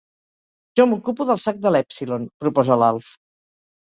Jo m'ocupo del sac de l'èpsilon —proposa l'Alf.